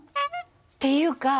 っていうか